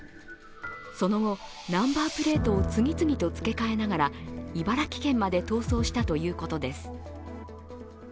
その後、ナンバープレートを次々と付け替えながら茨城県まで逃走したということです。